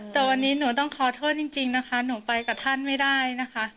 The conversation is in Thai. แต่วันนี้หนูต้องขอโทษจริงนะคะหนูไปกับท่านไม่ได้นะคะ